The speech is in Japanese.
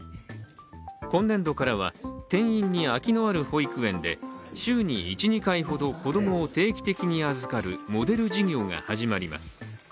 今年度からは定員に空きのある保育園で週に１２回ほど、子供を定期的に預かるモデル事業が始まります。